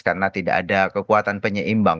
karena tidak ada kekuatan penyeimbang